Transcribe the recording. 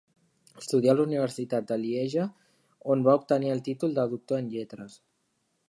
Estudiar a la Universitat de Lieja on va obtenir el títol de Doctor en Lletres.